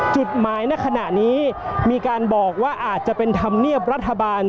จุดหมายในขณะนี้มีการบอกว่าอาจจะเป็นธรรมเนียบรัฐบาล